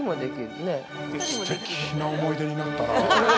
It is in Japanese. ◆すてきな思い出になったな。